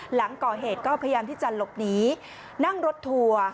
หลังก่อเหตุก็พยายามที่จะหลบหนีนั่งรถทัวร์